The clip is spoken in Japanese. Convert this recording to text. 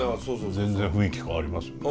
全然雰囲気変わりますよね。